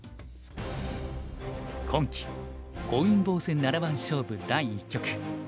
今期本因坊戦七番勝負第一局。